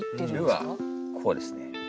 「ル」はこうですね。